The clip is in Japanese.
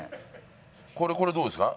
これこれどうですか？